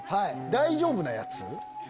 大丈夫なやつ？